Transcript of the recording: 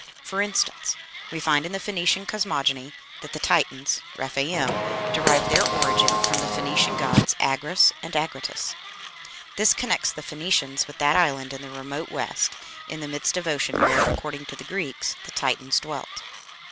For instance, we find in the Phoenician cosmogony that the Titans (Rephaim) derive their origin from the Phoenician gods Agrus and Agrotus. This connects the Phoenicians with that island in the remote west, in the midst of ocean, where, according to the Greeks, the Titans dwelt.